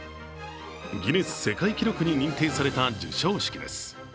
ギネス世界記録に認定された授賞式です。